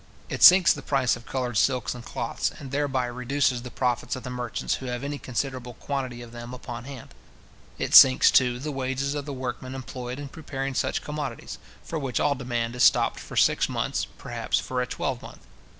It sinks the price of coloured silks and cloths, and thereby reduces the profits of the merchants who have any considerable quantity of them upon hand. It sinks, too, the wages of the workmen employed in preparing such commodities, for which all demand is stopped for six months, perhaps for a twelvemonth.